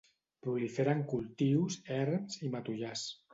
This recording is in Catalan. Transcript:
Prolifera en cultius, erms i matollars.